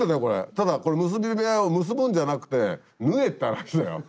ただこれ結び目を結ぶんじゃなくて縫えって話だよ。